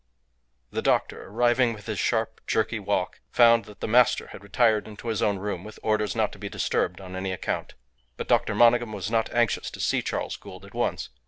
The doctor, arriving with his sharp, jerky walk, found that the master had retired into his own room with orders not to be disturbed on any account. But Dr. Monygham was not anxious to see Charles Gould at once.